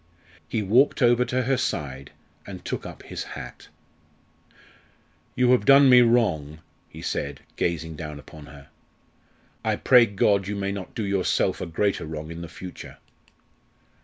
He walked over to her side and took up his hat. "You have done me wrong," he said, gazing down upon her. "I pray God you may not do yourself a greater wrong in the future!